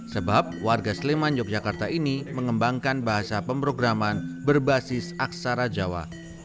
sebab warga sleman yogyakarta ini mengembangkan bahasa pemrograman berbasis aksara jawa